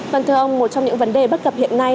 vâng thưa ông một trong những vấn đề bất cập hiện nay